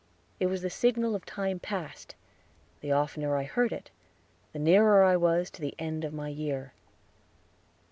It was the signal of time past; the oftener I heard it, the nearer I was to the end of my year.